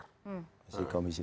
masih komisi enam